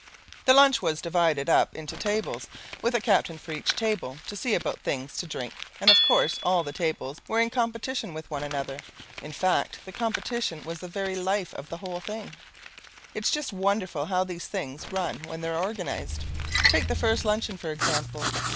The lunch was divided up into tables, with a captain for each table to see about things to drink, and of course all the tables were in competition with one another. In fact the competition was the very life of the whole thing. It's just wonderful how these things run when they're organized. Take the first luncheon, for example.